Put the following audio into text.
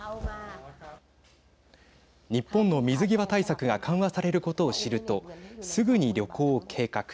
日本の水際対策が緩和されることを知るとすぐに旅行を計画。